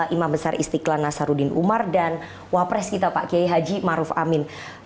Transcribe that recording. imam besar istiqlal nasaruddin umar dan wapres kita pak kiai haji maruf amin